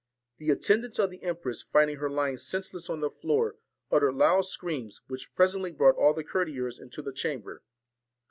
The attendants of the empress finding her lying senseless on the floor, uttered loud screams, which presently brought all the courtiers into the chamber.